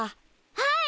はい！